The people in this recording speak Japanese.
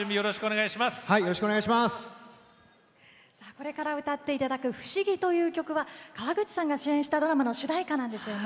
これから歌っていただく「不思議」という曲は川口さんが主演したドラマの主題歌なんですよね？